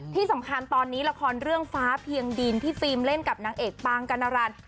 ที่สำคัญตอนนี้ละครเรื่องฟ้าเพียงดินที่ฟิล์มเล่นกับนางเอกปางกัณรัน